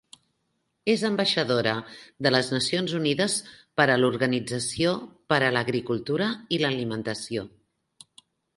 És ambaixadora de les Nacions Unides per a l'Organització per a l'Agricultura i l'Alimentació.